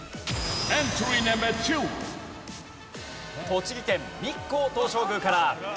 栃木県日光東照宮から。